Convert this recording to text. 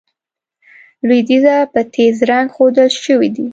لوېدیځه په تېز رنګ ښودل شوي دي.